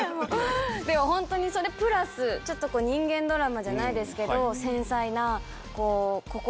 でもホントにそれプラスちょっと人間ドラマじゃないですけど。